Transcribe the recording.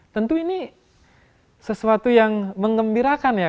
tentu ini sesuatu yang mengembirakan ya